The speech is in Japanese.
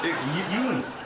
言うんですか？